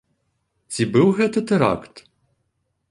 Ці быў гэта тэракт?